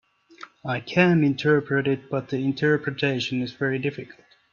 I can interpret it, but the interpretation is very difficult.